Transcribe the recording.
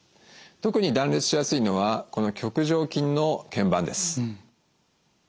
特に断裂しやすいのはこの棘上筋の腱板です。